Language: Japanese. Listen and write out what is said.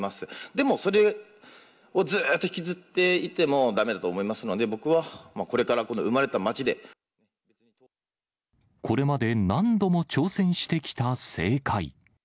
でもそれをずっと引きずっていてもだめだと思いますので、これまで何度も挑戦してきた政界。